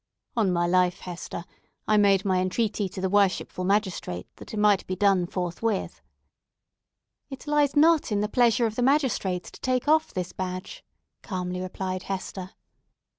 On my life, Hester, I made my intreaty to the worshipful magistrate that it might be done forthwith." "It lies not in the pleasure of the magistrates to take off the badge," calmly replied Hester.